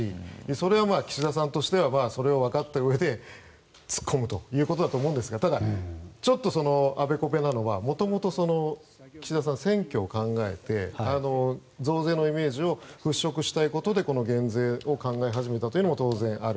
それを岸田さんとしては分かったうえで突っ込むということだと思うんですがただ、ちょっとあべこべなのがもともと岸田さんは選挙を考えて増税のイメージを払拭したいことで減税を考え始めたというのも当然ある。